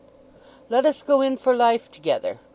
"Let us go in for life together.